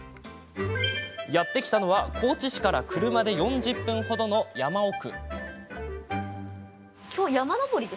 やって来たのは高知市から車で４０分程の山奥。